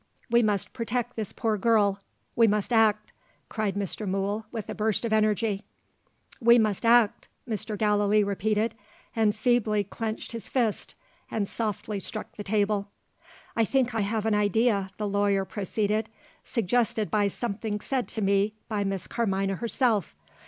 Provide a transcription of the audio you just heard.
We must protect this poor girl. We must act!" cried Mr. Mool with a burst of energy. "We must act!" Mr. Gallilee repeated and feebly clenched his fist, and softly struck the table. "I think I have an idea," the lawyer proceeded; "suggested by something said to me by Miss Carmina herself.